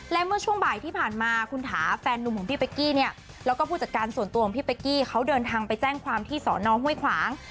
และเมื่อช่วงบ่ายที่ผ่านมาคุณถาแฟนนุ่มของพี่เป๊กกี้เนี่ยแล้วก็ผู้จัดการส่วนตัวของพี่เป๊กกี้เขาเดินทางไปแจ้งความที่สอนอห้วยขวาง